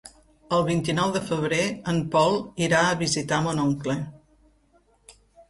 El vint-i-nou de febrer en Pol irà a visitar mon oncle.